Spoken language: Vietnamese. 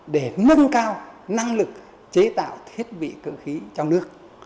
để nâng cao năng lực chế tạo thiết bị cơ khí trong nước